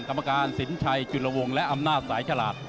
กรรมการสินชัยจุลวงและอำนาจสายฉลาด